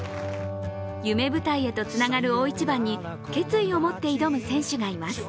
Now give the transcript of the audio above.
夢舞台へとつながる大一番に決意を持って挑む選手がいます。